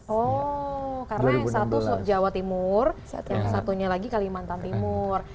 oh karena yang satu jawa timur yang satunya lagi kalimantan timur